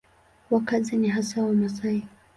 Wakazi ni hasa Wamasai.